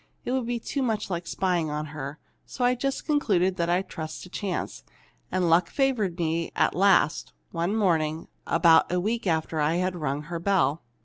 It would be too much like spying on her. So I just concluded I'd trust to chance. And luck favored me at last, one morning, about a week after I'd rung her bell.